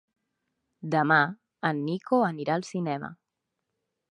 Demà en Nico anirà al cinema.